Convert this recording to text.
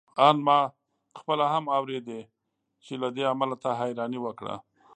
آن ما خپله هم اورېدې چې له دې امله تا حيراني وکړه.